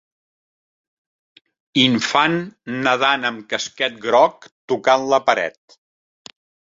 Infant nadant amb casquet groc tocant la paret.